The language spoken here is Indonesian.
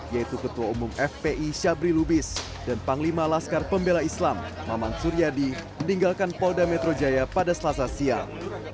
yaitu ketua umum fpi syabri lubis dan panglima laskar pembela islam maman suryadi meninggalkan polda metro jaya pada selasa siang